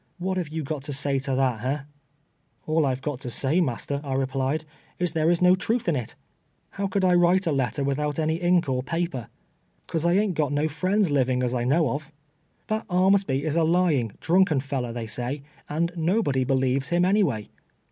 What have you got to say to that, ha ?" "All I've fi^ot to say, master,'" J replied, "is, there is no truth in it. lluw could I \\'rite a letter without any ink or paper ? There is nobody I want to write to, 'cause I haint got no friends living as I know of. That Armsby is a lying, drunken fellow, they say, and iio])ody believes him anyway.